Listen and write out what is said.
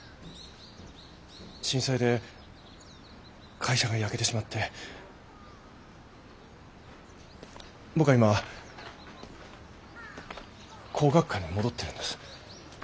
震災で会社が焼けてしまって僕は今向学館に戻ってるんです。